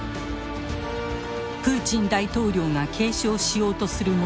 プーチン大統領が継承しようとするものとは何か。